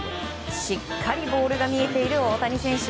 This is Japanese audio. しっかりボールが見えている大谷選手。